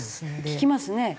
聞きますね。